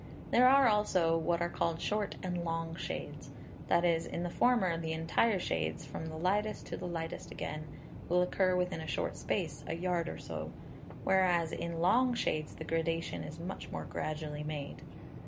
There are, also, what are called short and long shades; that is, in the former the entire shades, from the lightest to the lightest again, will occur within a short space, a yard or so; whereas, in long shades the gradation is much more gradually made.